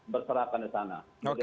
berserakan di sana